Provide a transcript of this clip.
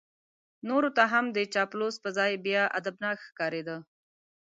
نورو ته هم د چاپلوس په ځای بیا ادبناک ښکارېده.